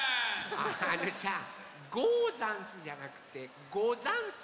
あのさ「ござんす」じゃなくて「ござんす！」